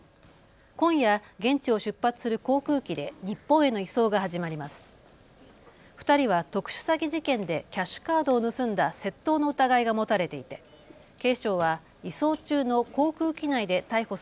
今夜、現地を出発する航空機で日本への移送が始まります。